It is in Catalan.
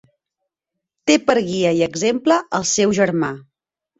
Té per guia i exemple el seu germà.